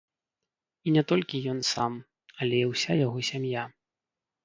І не толькі ён сам, але і ўся яго сям'я.